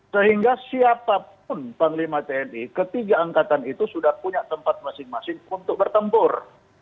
sehingga siapapun panglima tni ketiga angkatan itu sudah punya tempat masing masing untuk bertempur